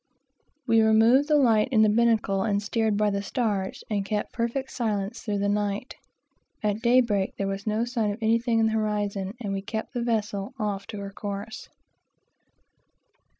We had no light in the binnacle, but steered by the stars, and kept perfect silence through the night. At daybreak there was no sign of anything in the horizon, and we kept the vessel off to her course.